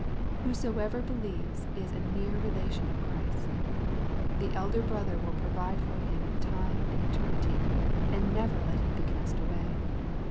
"Whosoever" believes is a near relation of Christ. The elder Brother will provide for him in time and eternity, and never let him be cast away.